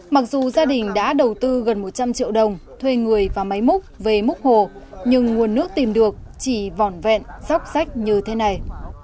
mặc dù gia đình đã đầu tư gần một trăm linh triệu đồng thuê người và máy múc về múc hồ nhưng nguồn nước tìm được chỉ vỏn vẹn dốc sách như thế này